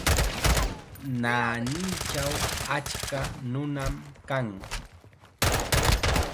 Naanichaw achka nunam kan.